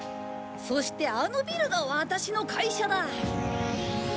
そしてあのビルがワタシの会社だ。